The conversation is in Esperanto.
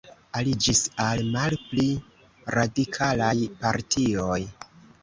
Aliĝis al malpli radikalaj partioj.